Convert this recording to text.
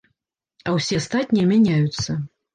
А ўсе астатнія мяняюцца.